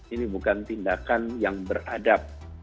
ini bukan tindakan yang beradab